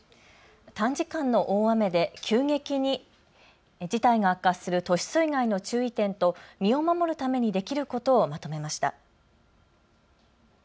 短時間の大雨で急激に事態が悪化する都市水害の注意点と身を守るためにできることをまとめました。